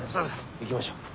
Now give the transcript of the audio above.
行きましょう。